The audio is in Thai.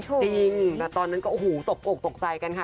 จริงแล้วตอนนั้นก็ตกอกตกใจกันค่ะ